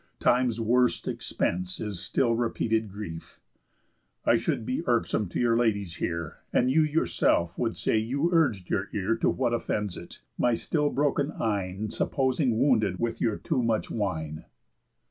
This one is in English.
Time's worst expense is still repeated grief. I should be irksome to your ladies here, And you yourself would say you urg'd your ear To what offends it, my still broken eyne Supposing wounded with your too much wine."